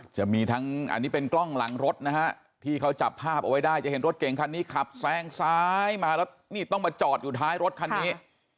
จะมีทั้งอันนี้เป็นกล้องหลังรถนะฮะที่เขาจับภาพเอาไว้ได้จะเห็นรถเก่งคันนี้ขับแซงซ้ายมาแล้วนี่ต้องมาจอดอยู่ท้ายรถคันนี้